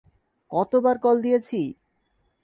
কতবার কল দিয়েছি!